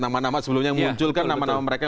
nama nama sebelumnya muncul kan nama nama mereka